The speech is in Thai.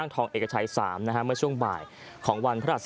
นี่คือในร้านค่ะ